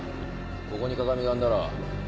ここに鏡があんだろ。